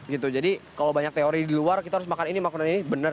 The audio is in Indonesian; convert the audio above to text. gitu jadi kalau banyak teori di luar kita harus makan ini makanan ini benar